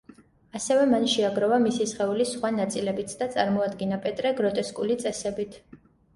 ასევე მან შეაგროვა მისი სხეულის სხვა ნაწილებიც და წარმოადგინა პეტრე გროტესკული წესებით.